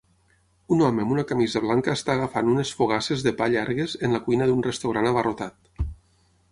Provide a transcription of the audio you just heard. Un home amb una camisa blanca està agafant unes fogasses de pa llargues en la cuina d"un restaurant abarrotat.